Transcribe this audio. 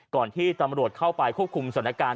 ที่ตำรวจเข้าไปควบคุมสถานการณ์